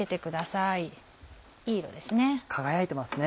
いい色ですね。